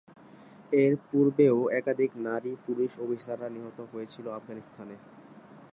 এর পূর্বেও একাধিক নারী পুলিশ অফিসাররা নিহত হয়েছিল আফগানিস্তানে।